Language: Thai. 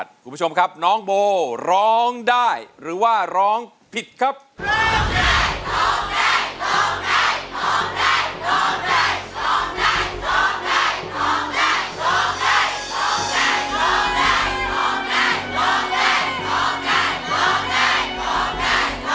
โทษให้โทษให้โทษให้